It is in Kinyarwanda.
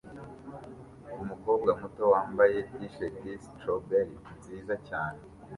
Umukobwa muto wambaye t-shirt ya strawberry nziza cyane